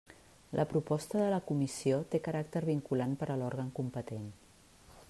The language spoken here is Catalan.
La proposta de la comissió té caràcter vinculant per a l'òrgan competent.